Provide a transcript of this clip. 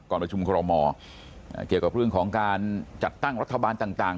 ประชุมคอรมอเกี่ยวกับเรื่องของการจัดตั้งรัฐบาลต่าง